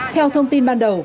theo thông tin ban đầu